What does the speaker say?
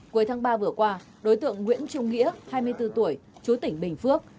cuối tháng ba vừa qua đối tượng nguyễn trung nghĩa hai mươi bốn tuổi chú tỉnh bình phước